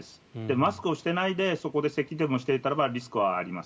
マスクをしていないでそこでせきでもしていたらリスクはあります。